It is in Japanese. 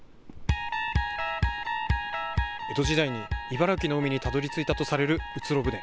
江戸時代に茨城の海にたどりついたとされるうつろ舟。